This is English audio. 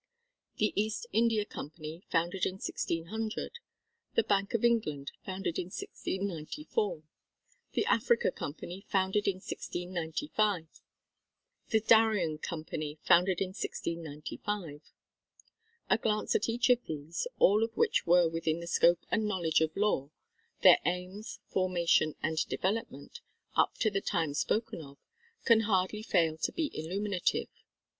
The East India Company founded in 1600 The Bank of England founded in 1694 The Africa Company founded in 1695 The Darien Company founded in 1695 A glance at each of these, all of which were within the scope and knowledge of Law, their aims, formation and development, up to the time spoken of, can hardly fail to be illuminative.